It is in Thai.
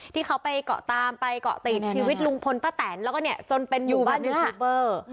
ที่เขาไปเกาะตามไปเกาะติดชีวิตลุงพลป้าแตนแล้วก็เนี่ยจนเป็นอยู่บ้านยูทูปเบอร์